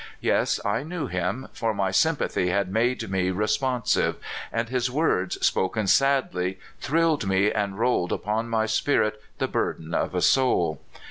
Yes, I knew him, for my sympathy had made me re sponsive; and his words, spoken sadly, thrilled me and rolled upon my spirit the burden of a soul.